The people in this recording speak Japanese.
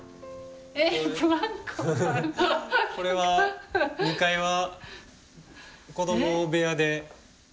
これは２階は子供部屋で。